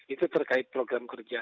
itu terkait program kerja